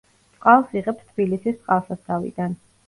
წყალს იღებს თბილისის წყალსაცავიდან.